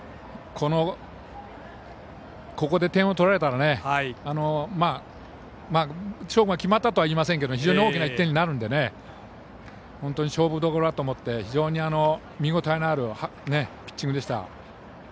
ここで点を取られたら勝負が決まったとは言いませんけれども非常に大きな１点になるので本当に勝負どころだと思って本当、見応えのあるピッチングでした。